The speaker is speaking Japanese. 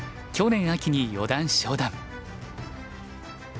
去年秋に四段昇段。